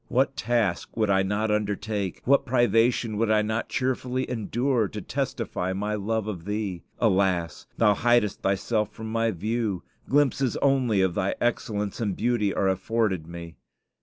"What task would I not undertake, what privation would I not cheerfully endure, to testify my love of Thee? Alas! Thou hidest Thyself from my view; glimpses only of Thy excellence and beauty are afforded me.